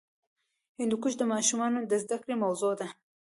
هندوکش د ماشومانو د زده کړې موضوع ده.